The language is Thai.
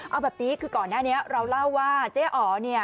เอาแบบนี้คือก่อนหน้านี้เราเล่าว่าเจ๊อ๋อเนี่ย